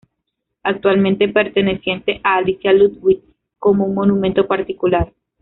Actualmente perteneciente a Alicia Ludwig como un monumento particular.